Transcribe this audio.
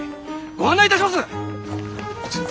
ご案内いたします！